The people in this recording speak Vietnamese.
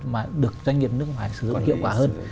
mà được doanh nghiệp nước ngoài sử dụng hiệu quả hơn